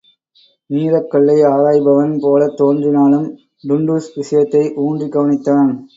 நீலக்கல்லை ஆராய்பவன் போலத் தோன்றினாலும், டுண்டுஷ் விஷயத்தை ஊன்றிக் கவனித்தான்.